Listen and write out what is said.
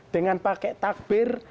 dengan pakai takbir